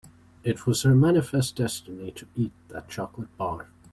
It was her manifest destiny to eat that chocolate bar.